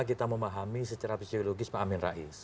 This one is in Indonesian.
saya mau memahami secara fisiologis pak amin rais